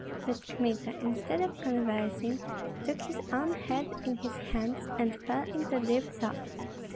But Kmita, instead of conversing, took his own head in his hands and fell into deep thought.